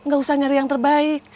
gak usah nyari yang terbaik